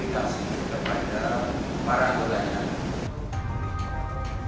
kepada para anggotanya